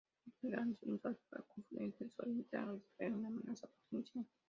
Este tipo de granadas son usadas para confundir, desorientar, o distraer una amenaza potencial.